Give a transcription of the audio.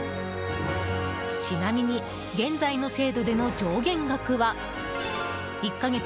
ちなみに現在の制度での上限額は１か月